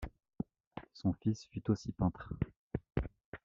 Son fils, fut aussi peintre.